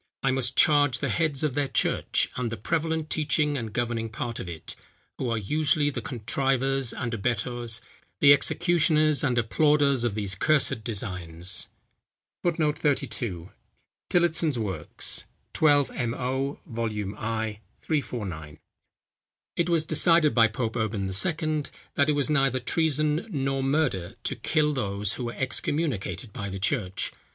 I must charge the heads of their church, and the prevalent teaching and governing part of it, who are usually the contrivers and abettors, the executioners and applauders of these cursed designs." [Footnote 32: TILLOTSON'S Works, 12mo., Vol. i., 349.] It was decided by Pope Urban II. that it was neither treason nor murder to kill those, who were excommunicated by the church.